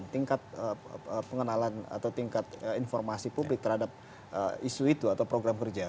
tingkat pengenalan atau tingkat informasi publik terhadap isu itu atau program kerja